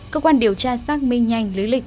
cơ quan điều tra xác minh nhanh lý lịch